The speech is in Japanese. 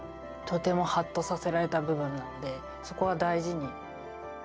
とてもハッとさせられた部分なのでそこは大事に。